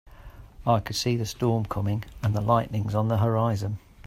I could see the storm coming and the lightnings in the horizon.